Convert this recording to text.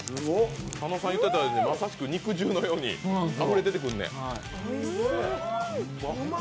佐野さん、言ってたようにまさしく肉汁のようにあふれ出てくるね。